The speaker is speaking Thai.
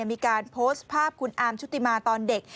มีการโพสต์ภาพคุณอาร์มชุติมาตอนเด็ก